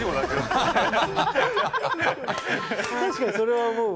確かにそれは思うわ。